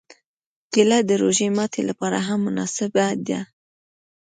کېله د روژه ماتي لپاره هم مناسبه ده.